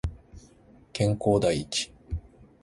健康第一